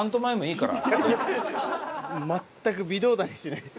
全く微動だにしないです。